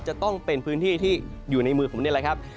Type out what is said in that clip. จะต้องเป็นพื้นที่ที่อยู่ในมือของเราเนี่ยนะครับ